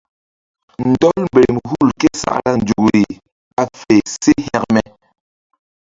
Ndɔl mberem hul ké sakra nzukri ɓa fe se hekme.